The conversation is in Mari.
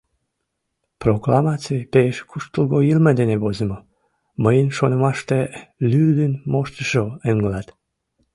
Прокламаций пеш куштылго йылме дене возымо: мыйын шонымаште, лӱдын моштышыжо ыҥлат.